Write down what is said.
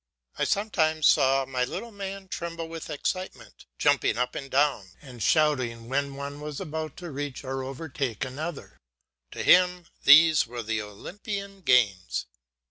I sometimes saw my little man trembling with excitement, jumping up and shouting when one was about to reach or overtake another to him these were the Olympian games.